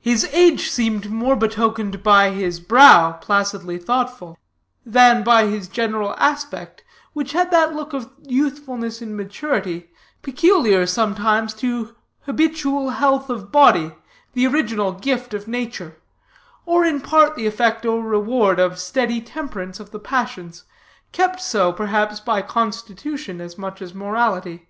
His age seemed betokened more by his brow, placidly thoughtful, than by his general aspect, which had that look of youthfulness in maturity, peculiar sometimes to habitual health of body, the original gift of nature, or in part the effect or reward of steady temperance of the passions, kept so, perhaps, by constitution as much as morality.